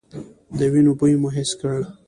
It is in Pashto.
د وينو بوی مې حس کړ.